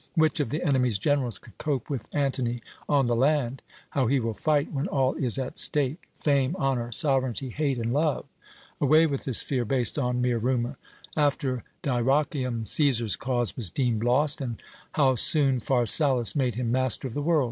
Which of the enemy's generals could cope with Antony on the land? How he will fight when all is at stake fame, honour, sovereignty, hate, and love! Away with this fear, based on mere rumour! After Dyrrachium Cæsar's cause was deemed lost, and how soon Pharsalus made him master of the world!